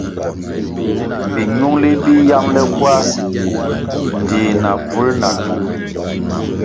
Minungʼli bi yambʼle kwarʼ ndtih na bvul na kywu.